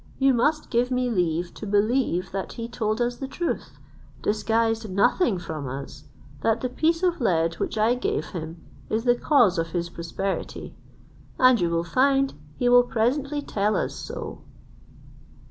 You must give me leave to believe that he told us the truth, disguised nothing from us, that the piece of lead which I gave him is the cause of his prosperity: and you will find he will presently tell us so."